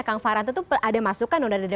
kang faranto itu ada masukan